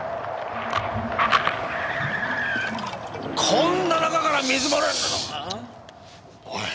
こんな中から水漏れ。